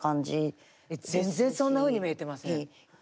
えっ全然そんなふうに見えてません。